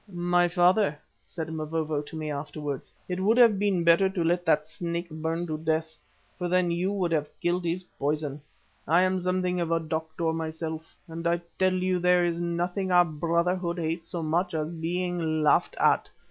"My father," said Mavovo to me afterwards, "it would have been better to let that snake burn to death, for then you would have killed his poison. I am something of a doctor myself, and I tell you there is nothing our brotherhood hates so much as being laughed at.